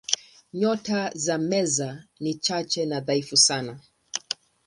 Nyota za Meza ni chache na dhaifu sana.